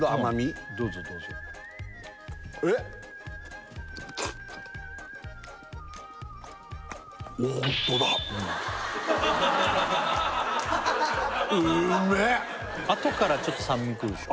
うんどうぞどうぞえっあとからちょっと酸味くるでしょ